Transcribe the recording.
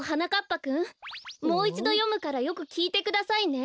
ぱくんもういちどよむからよくきいてくださいね。